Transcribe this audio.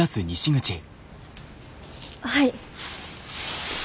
はい。